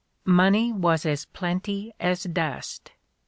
Money was as plenty as dust.